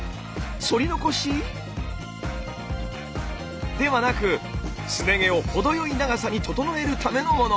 そり残し？ではなくすね毛を程よい長さに整えるためのもの。